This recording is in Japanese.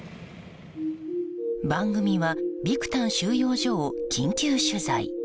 番組はビクタン収容所を緊急取材。